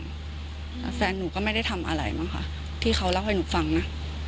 แต่แฟนหนูก็ไม่ได้ทำอะไรมั้งค่ะที่เขาเล่าให้หนูฟังนะ